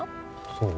そう？